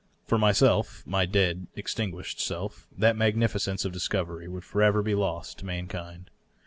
For myself — my dead, extin guished self — that magnificence of discovery would forever be lost to mankind.